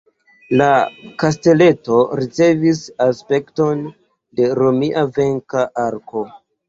La kasteleto ricevis aspekton de romia venka arko.